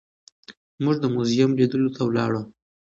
موږ د موزیم لیدلو ته لاړو.